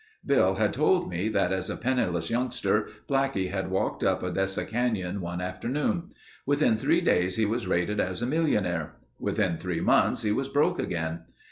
Bill had told me that as a penniless youngster Blackie had walked up Odessa Canyon one afternoon. Within three days he was rated as a millionaire. Within three months he was broke again.